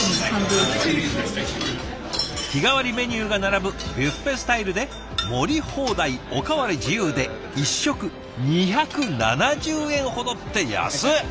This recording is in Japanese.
日替わりメニューが並ぶビュッフェスタイルで盛り放題お代わり自由で１食２７０円ほど。って安っ！